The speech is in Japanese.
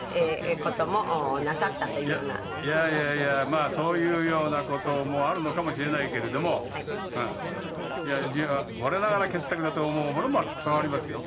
「まあそういうような事もあるのかもしれないけれども我ながら傑作だと思うものもたくさんありますよ。